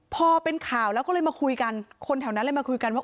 พอเป็นข่าวแล้วก็เลยมาคุยกันคนแถวนั้นเลยมาคุยกันว่า